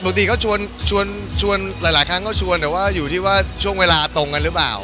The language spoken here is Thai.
ปกติเขาชวนหลายครั้งก็ชวนแต่ว่าอยู่ที่ว่าช่วงเวลาตรงกันหรือเปล่า